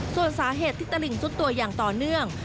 ส่วนสาเหตุที่ตลิงซุดตัวอย่างต่อเนื่อง